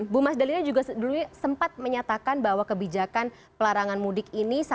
bu mas dalina juga dulu sempat menyatakan bahwa kebijakan pelarangan mudik ini